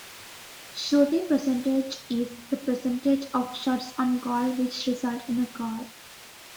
Shooting percentage is the percentage of shots on goal which result in a goal.